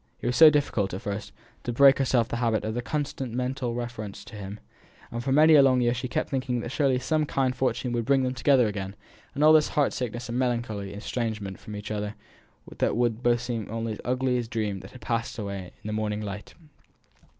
It was so difficult, at first, to break herself of the habit of constant mental reference to him; and for many a long year she kept thinking that surely some kind fortune would bring them together again, and all this heart sickness and melancholy estrangement from each other would then seem to both only as an ugly dream that had passed away in the morning light.